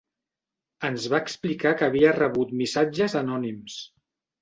Ens va explicar que havia rebut missatges anònims.